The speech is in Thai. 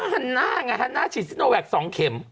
ก็ฮันนะไงฮันนะฉีดซินโรแวคสองเข็ม